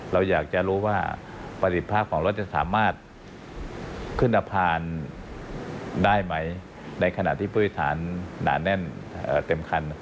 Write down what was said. เราอยากจะรู้ว่าประดิษฐภาพของรถจะสามารถขึ้นสะพานได้ไหมในขณะที่พื้นฐานหนาแน่นเต็มคัน